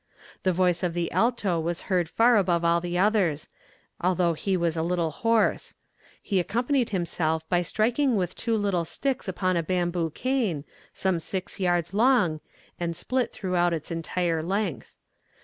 The voice of the alto was heard far above all the others, although he was a little hoarse; he accompanied himself by striking with two little sticks upon a bamboo cane, some six yards long, and split throughout its entire length.